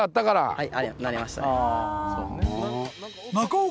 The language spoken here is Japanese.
はい。